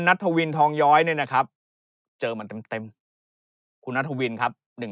ทวินทองย้อยเนี่ยนะครับเจอมันเต็มคุณนัทวินครับ